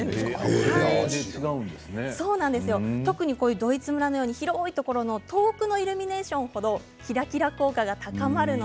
ドイツ村のような広いところは、遠くのイルミネーションのほうがキラキラ効果が高まります。